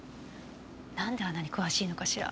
なんであんなに詳しいのかしら。